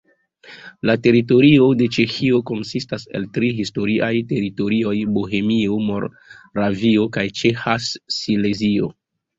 La teritorio de Ĉeĥio konsistas el tri historiaj teritorioj: Bohemio, Moravio kaj Ĉeĥa Silezio.